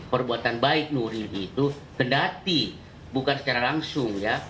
perbuatan baik nuril itu kendati bukan secara langsung